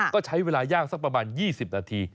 ก็ใช้เวลาย่างสักประมาณ๒๐นาที